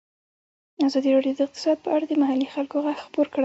ازادي راډیو د اقتصاد په اړه د محلي خلکو غږ خپور کړی.